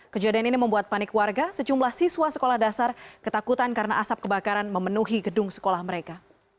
kejadian ini membuat panik warga sejumlah siswa sekolah dasar ketakutan karena asap kebakaran memenuhi gedung sekolah mereka